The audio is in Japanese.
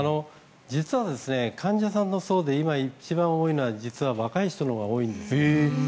実は患者さんの層で今一番多いのは実は若い人のほうが多いんです。